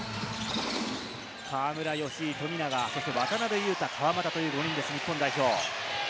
河村、吉井、富永、そして渡邊雄太、川真田という５人です、日本代表。